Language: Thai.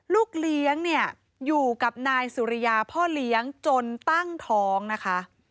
ลูกเลี้ยงเนี่ยอยู่กับนายสุริยาพ่อเลี้ยงจนตั้งท้องนะคะ